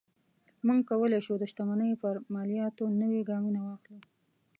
موږ کولی شو د شتمنۍ پر مالیاتو نوي ګامونه واخلو.